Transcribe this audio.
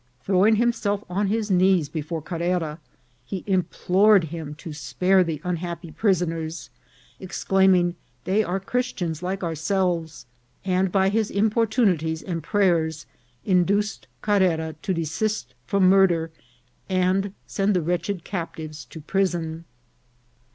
Throwing him self on his knees before Carrera, he implored him to spare the unhappy prisoners, exclaiming, they are Chris tians like ourselves ; and by his importunities and pray ers induced Carrera to desist from murder, and send the wretched captives to prison.